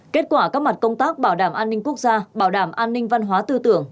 kết quả các mặt công tác bảo đảm an ninh quốc gia bảo đảm an ninh văn hóa tư tưởng